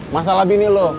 masalah bini lu